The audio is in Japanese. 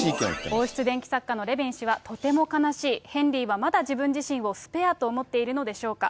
王室伝記作家のレビン氏はヘンリーはまだ自分自身をスペアと思っているのでしょうか。